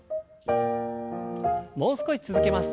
もう少し続けます。